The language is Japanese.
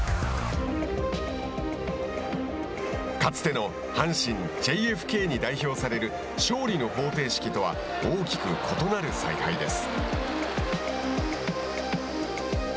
かつての阪神ＪＦＫに代表される勝利の方程式とは大きく異なる采配です。